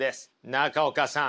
中岡さん。